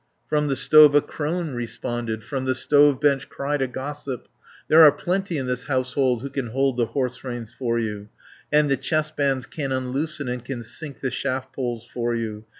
From the stove a crone responded From the stove bench cried a gossip: "There are plenty in this household Who can hold the horse reins for you, And the chest bands can unloosen, And can sink the shaft poles for you.